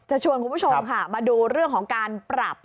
ชวนคุณผู้ชมค่ะมาดูเรื่องของการปรับ